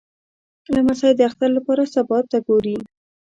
لمسی د اختر لپاره سبا ته ګوري.